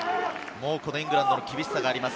イングランドの厳しさがあります。